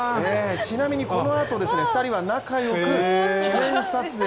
ちなみにこのあと２人は仲よく記念撮影。